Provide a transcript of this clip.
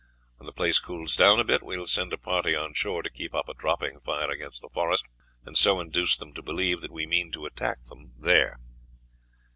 When the place cools down a bit, we will send a party on shore to keep up a dropping fire against the forest, and so induce them to believe that we mean to attack them there."